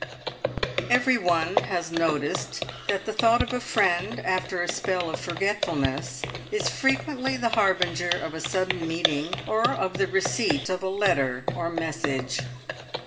Every one has noticed that the thought of a friend after a spell of forgetfulness is frequently the harbinger of a sudden meeting, or of the receipt of a letter or message.